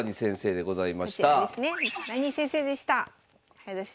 早指し